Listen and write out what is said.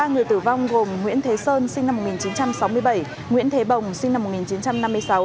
ba người tử vong gồm nguyễn thế sơn sinh năm một nghìn chín trăm sáu mươi bảy nguyễn thế bồng sinh năm một nghìn chín trăm năm mươi sáu